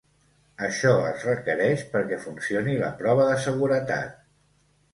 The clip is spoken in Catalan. Això es requereix perquè funcioni la prova de seguretat.